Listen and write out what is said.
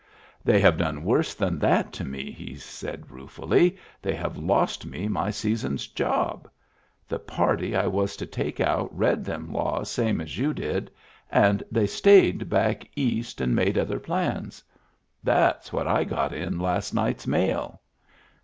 "They have done worse than that to me," he said ruefully. " They have lost me my season's job. The party I was to take out read them laws same as you did, and they stayed back East and Digitized by Google 383 MEMBERS OF THE FAMILY made other plans. That's what I got in last night's mail.'